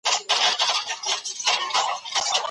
ایا کورني سوداګر کاغذي بادام پلوري؟